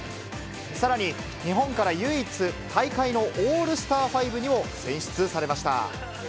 さらに、日本から唯一、大会のオールスター５にも選出されました。